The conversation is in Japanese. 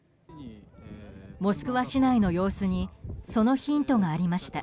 モスクワ市内の様子にそのヒントがありました。